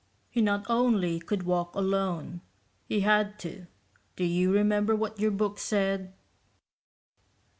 "He not only could walk alone, he had to. Do you remember what your book said?"